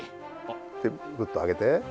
でグッと上げて。